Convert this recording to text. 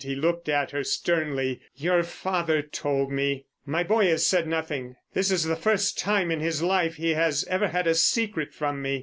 He looked at her sternly. "Your father told me. My boy has said nothing. This is the first time in his life he has ever had a secret from me.